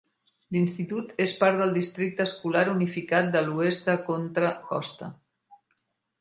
L'institut és part del districte escolar unificat de l'oest de Contra Costa.